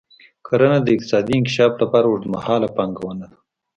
کرنه د اقتصادي انکشاف لپاره اوږدمهاله پانګونه ده.